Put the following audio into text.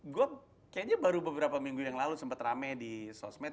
gue kayaknya baru beberapa minggu yang lalu sempat rame di sosmed